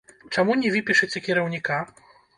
Чаму не выпішыце кіраўніка?